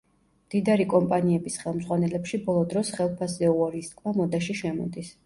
მდიდარი კომპანიების ხელმძღვანელებში ბოლო დროს ხელფასზე უარის თქმა მოდაში შემოდის.